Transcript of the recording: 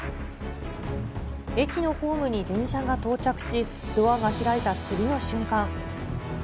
駅のホームに電車が到着し、ドアが開いた次の瞬間。